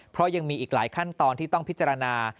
เพราะยังมีอีกหลายขั้นตอนที่ต้องพิจารณา